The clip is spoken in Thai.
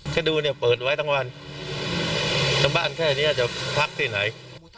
ถ้าดูเนี่ยเปิดไว้ทั้งวันถ้าบ้านแค่นี้จะพักที่ไหน